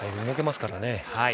動けますからね。